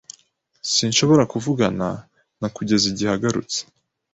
Sinshobora kuvugana na kugeza agarutse